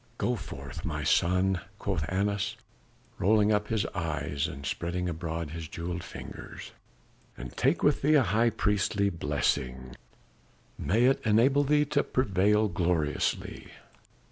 "Go forth, my son," quoth Annas, rolling up his eyes, and spreading abroad his jewelled fingers, "and take with thee a High Priestly blessing, may it enable thee to prevail gloriously.